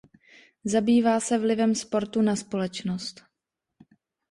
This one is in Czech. Zabývá se vlivem sportu na společnost.